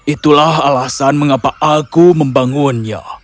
itulah alasan mengapa aku membangunnya